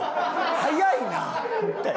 早いな。